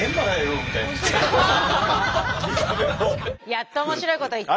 やっと面白いこと言った。